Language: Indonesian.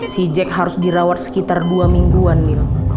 si jack harus dirawat sekitar dua mingguan mil